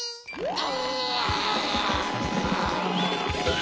あ！